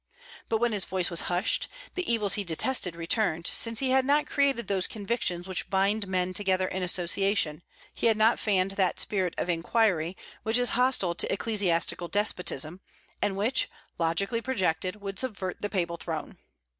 But when his voice was hushed, the evils he detested returned, since he had not created those convictions which bind men together in association; he had not fanned that spirit of inquiry which is hostile to ecclesiastical despotism, and which, logically projected, would subvert the papal throne.